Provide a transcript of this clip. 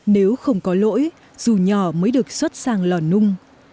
nếu không có lỗi dù nhỏ mới được xuất sang lòn